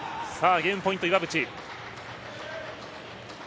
ゲームポイント、岩渕。